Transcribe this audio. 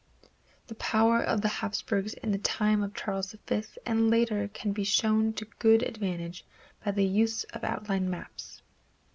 The power of the Hapsburgs in the time of Charles V and later can be shown to good advantage by the use of outline maps.